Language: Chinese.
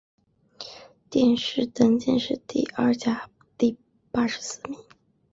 殿试登进士第二甲第八十四名。